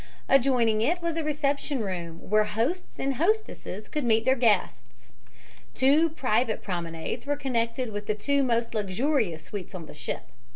Adjoining it was a reception room, where hosts and hostesses could meet their guests. Two private promenades were connected with the two most luxurious suites on the ship.